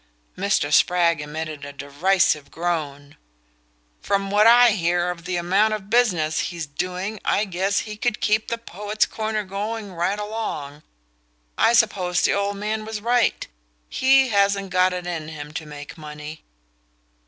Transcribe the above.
Mr. Spragg emitted a derisive groan. "From what I hear of the amount of business he's doing I guess he could keep the Poet's Corner going right along. I suppose the old man was right he hasn't got it in him to make money."